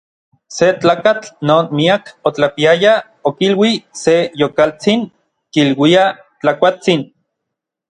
Se tlakatl non miak otlapiaya okilui se yolkatsin kiluiaj Tlakuatsin.